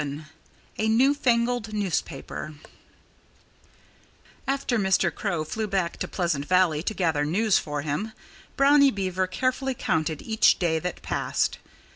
VII A NEWFANGLED NEWSPAPER After Mr. Crow flew back to Pleasant Valley to gather news for him, Brownie Beaver carefully counted each day that passed.